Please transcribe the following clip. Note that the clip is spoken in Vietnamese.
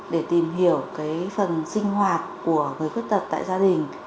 với phần sinh hoạt của người khuyết tật tại gia đình